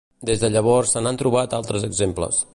Des de llavors se n'han trobat altres exemples.